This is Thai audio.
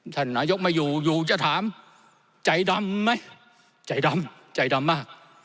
ท่านนายกมาอยู่อยู่จะถามใจดำไหมใจดำใจดำมาก